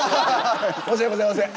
申し訳ございません。